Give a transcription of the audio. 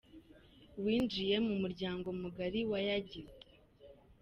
winjiye mu muryango mugari wa Yagize.